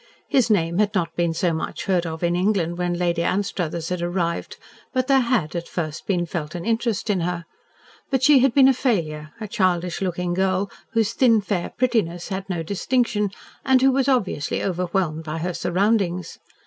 His name had not been so much heard of in England when Lady Anstruthers had arrived but there had, at first, been felt an interest in her. But she had been a failure a childish looking girl whose thin, fair, prettiness had no distinction, and who was obviously overwhelmed by her surroundings.